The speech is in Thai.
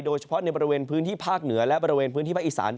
โดยเฉพาะในบริเวณพื้นที่ภาคเหนือและบริเวณพื้นที่ภาคอีสาน